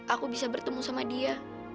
aku bisa bertemu sama dia